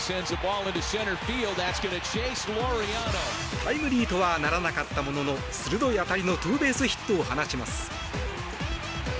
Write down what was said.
タイムリーとはならなかったものの鋭い当たりのツーベースヒットを放ちます。